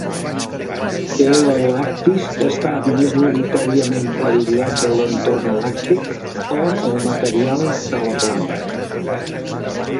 "L. lactis" està majoritàriament aïllat de l"entorn làctic o el material de la planta.